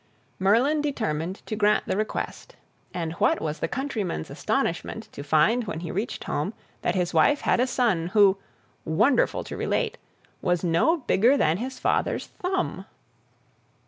Merlin determined to grant the request, and what was the countryman's astonishment to find when he reached home that his wife had a son, who, wonderful to relate, was no bigger than his father's thumb!